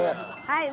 はい。